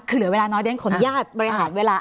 เหลือเวลาน้อยเด้นของญาติบริหารเวลา